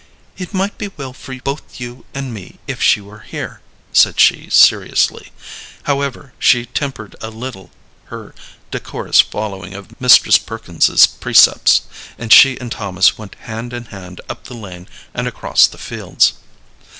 "It might be well for both you and me if she were here," said she, seriously. However, she tempered a little her decorous following of Mistress Perkins's precepts, and she and Thomas went hand in hand up the lane and across the fields.